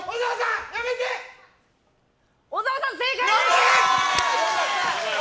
小沢さん、正解です！